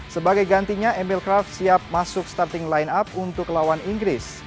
sebagai gantinya emilcraft siap masuk starting line up untuk lawan inggris